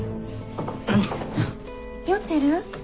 ちょっと酔ってる？